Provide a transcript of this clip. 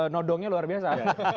nodongnya luar biasa